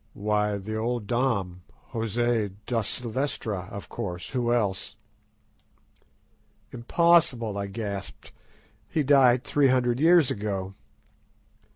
"Why, the old Dom, José da Silvestra, of course—who else?" "Impossible," I gasped; "he died three hundred years ago."